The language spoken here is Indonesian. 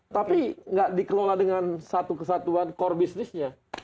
tapi tidak dikelola dengan satu kesatuan core business nya